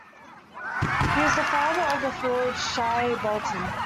He is the father of forward Shai Bolton.